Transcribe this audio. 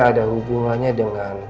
ada hubungannya dengan